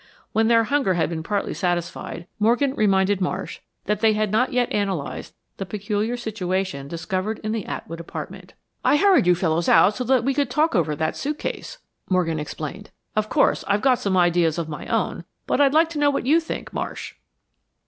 When their hunger had been partly satisfied, Morgan reminded Marsh that they had not yet analysed the peculiar situation discovered in the Atwood apartment. "I hurried you fellows out so we could talk over that suitcase," Morgan explained. "Of course, I've got some ideas of my own, but I'd like to know what you think, Marsh."